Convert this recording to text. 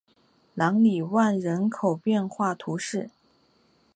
朗里万人口变化图示